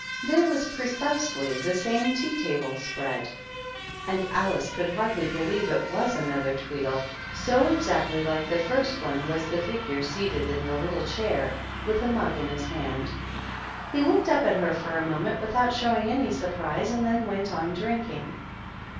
There was precisely the same tea table spread, and Alice could hardly believe it was another Tweedle, so exactly like the first one was the figure seated in the little chair with a mug in his hand. He looked up at her for a moment without showing any surprise, and then went on drinking.